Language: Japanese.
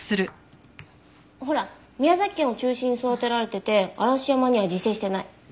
ほら宮崎県を中心に育てられてて嵐山には自生してない。